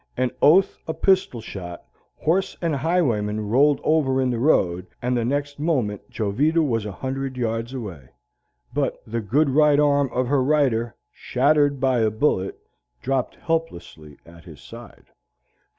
An oath, a pistol shot, horse and highwayman rolled over in the road, and the next moment Jovita was a hundred yards away. But the good right arm of her rider, shattered by a bullet, dropped helplessly at his side.